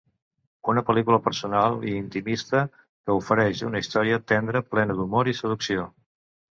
Una pel·lícula personal i intimista que oferix una història tendra plena d'humor i seducció.